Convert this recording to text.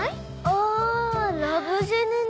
あ『ラブジェネ』ね！